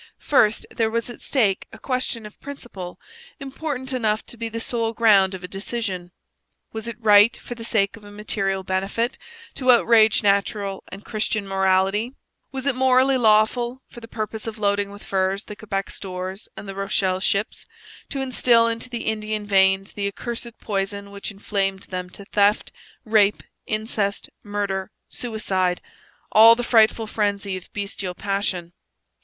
First, there was at stake a question of principle important enough to be the sole ground of a decision. Was it right, for the sake of a material benefit, to outrage natural and Christian morality? Was it morally lawful, for the purpose of loading with furs the Quebec stores and the Rochelle ships, to instil into the Indian veins the accursed poison which inflamed them to theft, rape, incest, murder, suicide all the frightful frenzy of bestial passion.